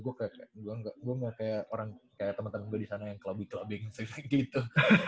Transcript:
gua kayak gua kayak orang kayak temen temen gua di sana yang clubbing clubbing segitu